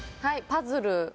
パズル？